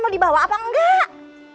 mau dibawa apa enggak